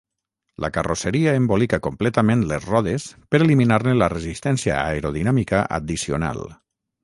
La carrosseria embolica completament les rodes per eliminar-ne la resistència aerodinàmica addicional.